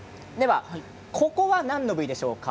ここは何の部位でしょうか？